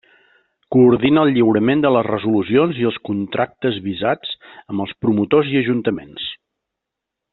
Coordina el lliurament de les resolucions i els contractes visats amb els promotors i ajuntaments.